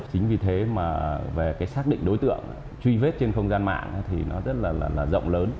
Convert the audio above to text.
chính vì thế mà về cái xác định đối tượng truy vết trên không gian mạng thì nó rất là rộng lớn